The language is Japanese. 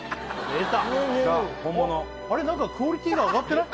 出た本物あれ何かクオリティーが上がってない？